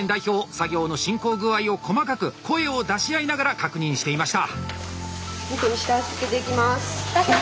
作業の進行具合を細かく声を出し合いながら確認していました。